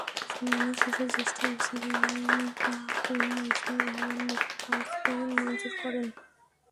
শুনানি শেষে জ্যেষ্ঠ বিচারিক হাকিম নাজমুর রহমান নিপু পাঁচ দিন মঞ্জুর করেন।